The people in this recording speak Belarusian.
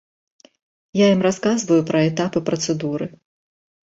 Я ім расказваю пра этапы працэдуры.